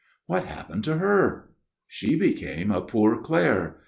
" What happened to her ?"(" She became a Poor Clare.